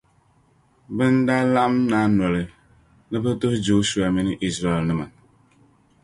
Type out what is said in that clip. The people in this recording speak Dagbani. Bɛna n-daa laɣim naai noli ni bɛ tuhi Jɔshua mini Izraɛlnima.